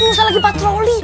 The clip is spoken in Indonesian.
nggak usah lagi patroli